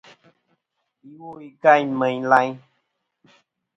Iwo-i gayn meyn layn.